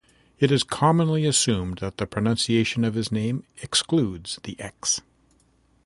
It is commonly assumed that the pronunciation of his name excludes the 'x'.